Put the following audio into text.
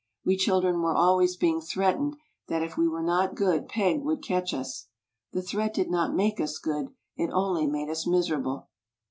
We children were always being threat ened that if we were not good Peg would catch us. The threat did not make us good, it only made us miserable.